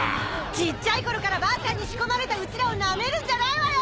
小っちゃい頃からばあちゃんに仕込まれたうちらをナメるんじゃないわよ！